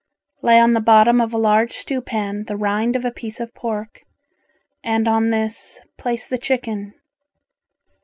Lay on the bottom of a large stew pan the rind of a piece of pork, and on this, place the chicken.